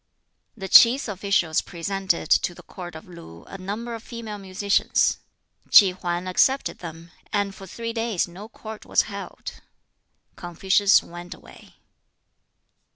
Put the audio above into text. The Ts'i officials presented to the Court of Lu a number of female musicians. Ki Hwan accepted them, and for three days no Court was held. Confucius went away.